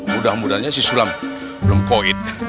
mudah mudahannya si sulam belum koid